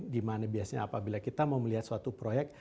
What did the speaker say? di mana biasanya apabila kita mau melihat suatu proyek